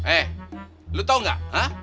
eh lu tau gak